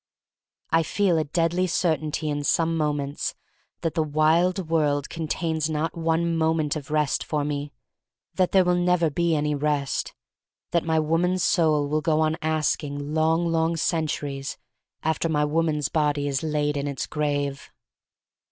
I feel a deadly certainty in some moments that the wild world contains not one moment of rest for me, that there will never be any rest, that my woman's soul will go on asking long, long cen turies after my woman's body is laid in its grave.